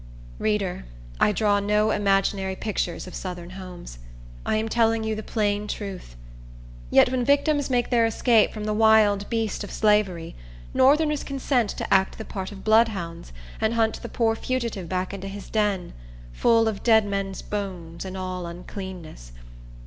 Reader, I draw no imaginary pictures of southern homes. I am telling you the plain truth. Yet when victims make their escape from the wild beast of Slavery, northerners consent to act the part of bloodhounds, and hunt the poor fugitive back into his den, "full of dead men's bones, and all uncleanness."